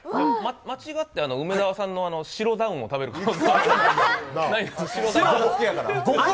間違って梅澤さんの白ダウンを食べるかも。